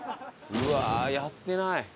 うわあやってない。